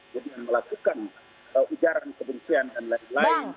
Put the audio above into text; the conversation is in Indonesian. melakukan ujaran kebencian dan lain lain